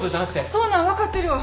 そんなん分かってるわ。